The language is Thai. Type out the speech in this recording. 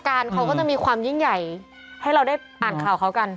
การเขาก็จะมีความยิ่งใหญ่ให้เราได้อ่านข่าวเขากัน